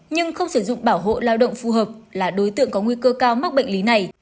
nhưng không sử dụng bảo hộ lao động phù hợp là đối tượng có nguy cơ cao mắc bệnh lý này